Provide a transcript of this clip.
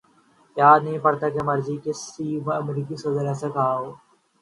یاد نہیں پڑتا کہ ماضی میں کسی امریکی صدر نے ایسا کہا ہو۔